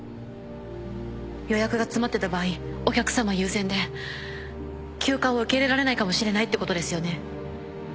予約が詰まってた場合お客さま優先で急患を受け入れられないかもしれないってことですよね？